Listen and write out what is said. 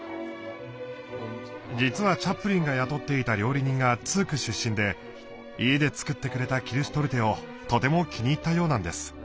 実はチャップリンが雇っていた料理人がツーク出身で家で作ってくれたキルシュトルテをとても気に入ったようなんです。